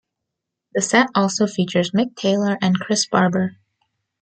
The set also features Mick Taylor and Chris Barber.